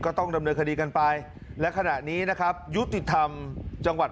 ของแบบคณะทีมงานกันอีก๒๐๐๐บาท